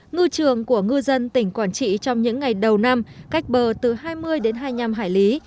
ngư trường của ngư dân tỉnh quảng trị trong những ngày đầu năm cách bờ từ hai mươi đến hai mươi năm hải lý